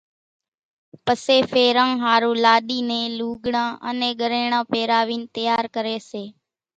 پسيَ ڦيران ۿارُو لاڏِي نين لُوڳڙان انين ڳريڻان پيراوينَ تيار ڪريَ سي۔